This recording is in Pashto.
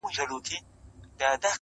یوه سترګه مو روغه بله سترګه مو ړنده وي,